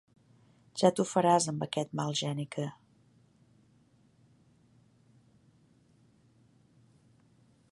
Ja t'ho faràs amb aquest mal geni que.